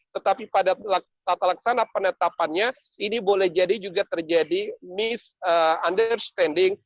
tetapi pada tata laksana penetapannya ini boleh jadi juga terjadi mis understanding